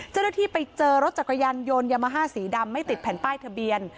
เจ้าหน้าที่ไปเจอรถจักรยานยนต์ยามาฮ่าสีดำไม่ติดแผ่นป้ายทะเบียน